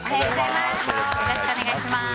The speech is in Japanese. よろしくお願いします。